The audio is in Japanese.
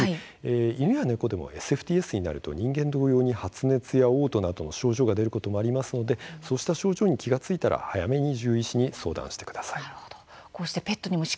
犬や猫でもＳＦＴＳになると人間同様に発熱、おう吐などの症状が出ることありますのでそうした症状に気付いたら早めに獣医師に相談してください。